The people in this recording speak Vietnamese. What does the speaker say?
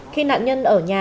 khi nạn nhân ở nhà